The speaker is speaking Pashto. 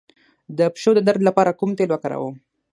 د پښو د درد لپاره کوم تېل وکاروم؟